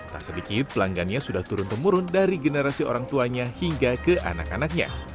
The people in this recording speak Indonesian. tak sedikit pelanggannya sudah turun temurun dari generasi orang tuanya hingga ke anak anaknya